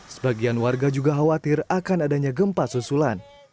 sebagian warga juga khawatir akan adanya gempa susulan